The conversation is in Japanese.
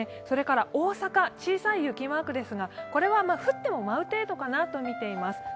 それから大阪、小さい雪マークですがこれは降っても舞う程度かなと見ています。